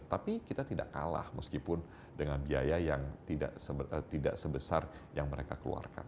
tapi kita tidak kalah meskipun dengan biaya yang tidak sebesar yang mereka keluarkan